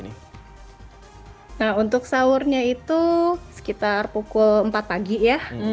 nah untuk sahurnya itu sekitar pukul empat pagi ya